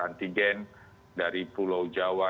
antigen dari pulau jawa